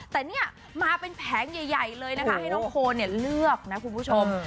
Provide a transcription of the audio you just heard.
แต่เนี่ยมาเป็นแผงใหญ่เลยนะคะให้น้องโคนเลือกนะคุณผู้ชม